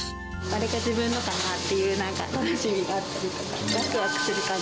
あれが自分のかなっていう、なんか楽しみがあったりとか。